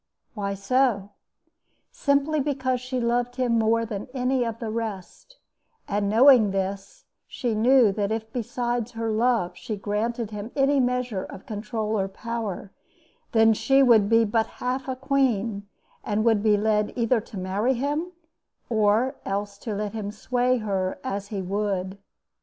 Why so? Simply because she loved him more than any of the rest; and, knowing this, she knew that if besides her love she granted him any measure of control or power, then she would be but half a queen and would be led either to marry him or else to let him sway her as he would.